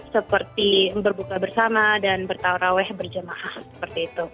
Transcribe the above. seperti berbuka bersama dan bertauraweh berjamaah seperti itu